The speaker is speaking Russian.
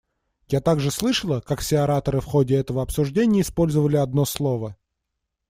Я также слышала, как все ораторы в ходе этого обсуждения использовали одно слово.